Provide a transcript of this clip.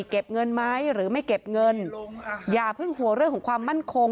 เก็บเงินไหมหรือไม่เก็บเงินอย่าเพิ่งห่วงเรื่องของความมั่นคง